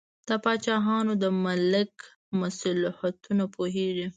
د پاچاهانو د ملک مصلحتونه پوهیږي.